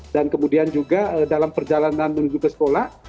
dan kemudian juga dalam perjalanan menuju ke sekolah